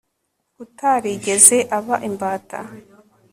utarigeze aba imbata